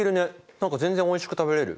何か全然おいしく食べれる。